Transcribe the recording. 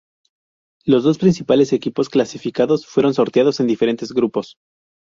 Los dos principales equipos clasificados fueron sorteados en diferentes grupos.